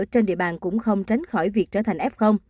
trên địa bàn cũng không tránh khỏi việc trở thành f